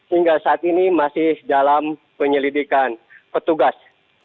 hingga saat ini masih dalam penyelidikan petugas